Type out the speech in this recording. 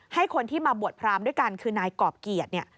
ให้คนที่มาบวชพรามด้วยกันคือนายกรอบเกียรติเนี่ย